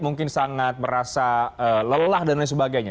mungkin sangat merasa lelah dan lain sebagainya